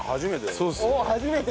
初めて。